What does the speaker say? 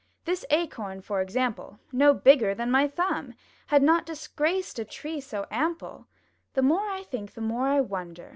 This Acorn for example, No bigger than my thumb, Had not disgraced a tree so ample. The more I think, the more I wonder!